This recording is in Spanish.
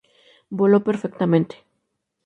Voló perfectamente.